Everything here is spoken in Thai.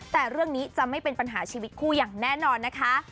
แต่เรื่องนี้จะไม่เป็นปัญหาชีวิตคู่อย่างแน่นอนนะคะ